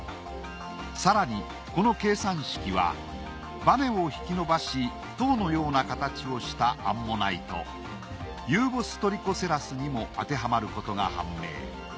更にこの計算式はバネを引き伸ばし塔のような形をしたアンモナイトユーボストリコセラスにも当てはまることが判明。